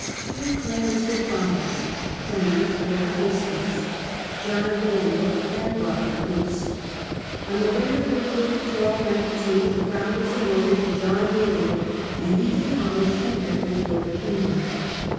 Three claimants were prominent, Henry, Lord Hastings, John Balliol, and Robert Bruce. On November 30, 1292, the crown was awarded to John Balliol, and he did homage to Edward for the kingdom.